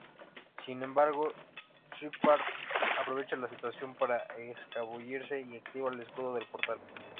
Sin embargo, Sheppard aprovecha la situación para escabullirse y activa el escudo del portal.